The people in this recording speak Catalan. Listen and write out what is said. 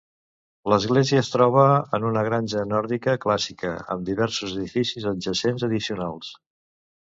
L'església es troba en una granja nòrdica clàssica, amb diversos edificis adjacents addicionals.